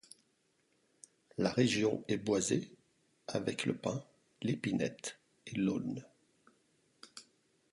La région est boisée, avec le pin, l'épinette, et l'aulne.